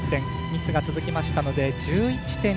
ミスが続きましたので１１．２６６。